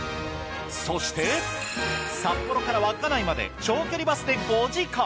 そして札幌から稚内まで長距離バスで５時間。